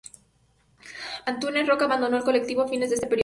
Antúnez Roca abandonó el colectivo a fines de este periodo.